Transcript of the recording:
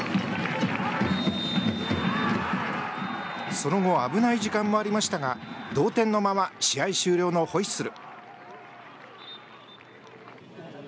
その後危ない時間もありましたが同点のまま試合終了のホイッスル。